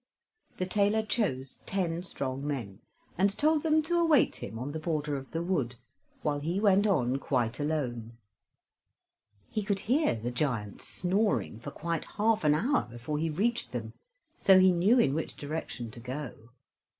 The tailor chose ten strong men, and told them to await him on the border of the wood, while he went on quite alone. He could hear the giants snoring for quite half an hour before he reached them, so he knew in which direction to go.